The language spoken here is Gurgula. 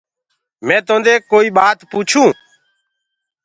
مينٚ توندي ڪآئي ٻآت پوڇونٚ؟